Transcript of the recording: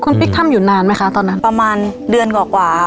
คุณปิ๊กทำอยู่นานไหมคะตอนนั้นประมาณเดือนกว่า